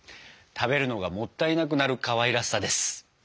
食べるのがもったいなくなるかわいらしさです。